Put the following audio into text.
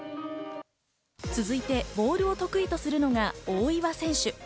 続いてボールを得意とするのが大岩選手。